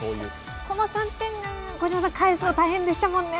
この３点、小島さん、返すの大変でしたもんね。